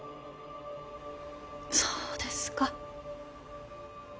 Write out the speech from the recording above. そうですか。